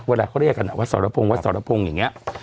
เวลาเขาเรียกกันว่าสรพงศ์วัดสรพงศ์อย่างนี้